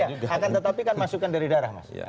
iya akan tetapi kan masukan dari daerah mas